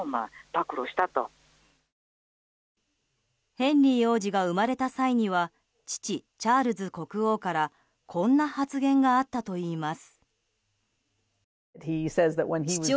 ヘンリー王子が生まれた際には父チャールズ国王からこんな発言があったといいます。